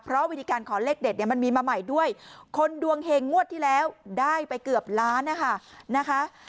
เพราะวิธีการขอเลขเด็ดเนี่ยมันมีมาใหม่ด้วยคนดวงเฮงงวดที่แล้วได้ไปเกือบล้านนะคะ